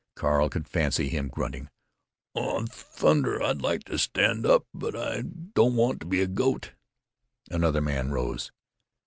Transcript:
Carl could fancy him grunting, "Aw, thunder! I'd like to stand up, but I don't want to be a goat." Another man rose.